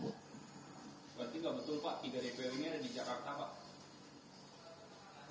berarti nggak betul pak tiga dpr ini ada di jakarta pak